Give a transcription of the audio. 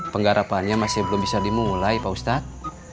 penggarapannya masih belum bisa dimulai pak ustadz